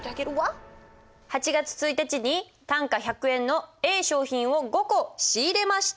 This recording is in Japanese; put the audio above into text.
８月１日に単価１００円のＡ商品を５個仕入れました。